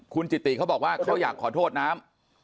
คุณจิติเขาบอกว่าเขาอยากขอโทษน้ำ